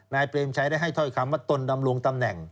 เปรมชัยได้ให้ถ้อยคำว่าตนดำรงตำแหน่ง